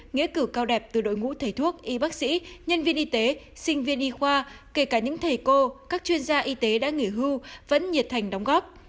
nghĩa cử cao đẹp từ đội ngũ thầy thuốc y bác sĩ nhân viên y tế sinh viên y khoa kể cả những thầy cô các chuyên gia y tế đã nghỉ hưu vẫn nhiệt thành đóng góp